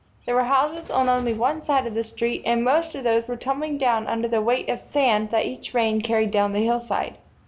There were houses on only one side of the street and most of those were tumbling down under the weight of the sand that each rain carried down the hillside.